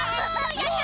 やった！